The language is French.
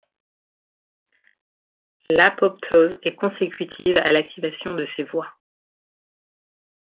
L'apoptose est consécutive à l'activation de ces voies.